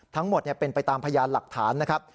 ทั้งหมดเป็นไปตามพยานหลักฐานนะครับ